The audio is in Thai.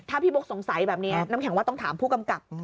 ถ้าพี่บุ๊กสงสัยแบบนี้น้ำแข็งว่าต้องถามผู้กำกับ